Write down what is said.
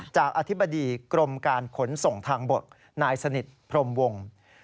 อธิบดีกรมการขนส่งทางบกนายสนิทพรมวงศ์